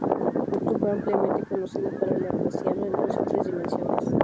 Este concepto fue ampliamente conocido para el laplaciano en dos y tres dimensiones.